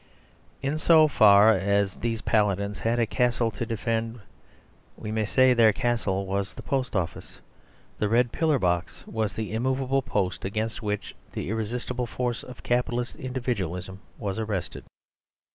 In so far as these paladins had a castle to defend, we may say that their castle was the Post Office. The red pillar box was the immovable post against which the irresistible force of Capitalist individualism was arrested.